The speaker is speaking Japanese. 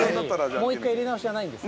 ◆もう一回入れ直しはないんですか？